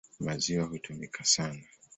Maziwa hutumika sana.